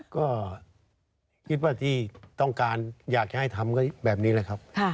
ก็คิดว่าที่ต้องการอยากจะให้ทำก็แบบนี้แหละครับ